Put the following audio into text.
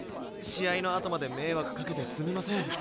試合のあとまで迷惑かけてすみません。